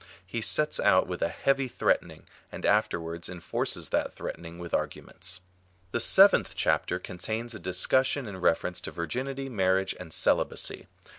He sets out with a heavy threatening, and afterwards enforces that threatening with arguments. /^ The seventh chapter contains a discussion in reference to virginity, marriage, and celibacy.